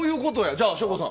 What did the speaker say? じゃあ、省吾さん。